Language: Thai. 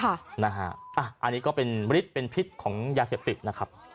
อันนี้ก็เป็นพิษของยาเสพตินะครับ